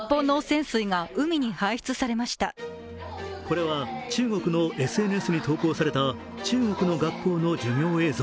これは中国のＳＮＳに投稿された中国の学校の授業映像。